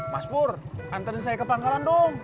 mas pur antarin saya ke pangkalan dong